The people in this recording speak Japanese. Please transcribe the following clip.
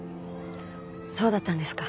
そうだったんですか。